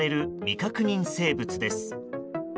未確認生物です。